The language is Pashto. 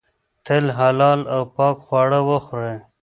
تل حلال او پاک خواړه وخورئ.